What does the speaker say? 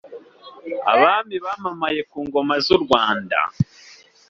abami bamamaye ku ngoma z’u Rwanda